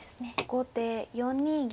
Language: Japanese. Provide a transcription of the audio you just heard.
後手４二銀。